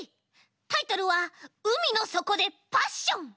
タイトルは「海のそこでパッション」。